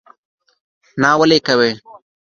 نه ولي یې کوې?